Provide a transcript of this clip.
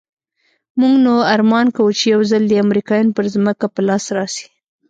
موږ نو ارمان کاوه چې يو ځل دې امريکايان پر ځمکه په لاس راسي.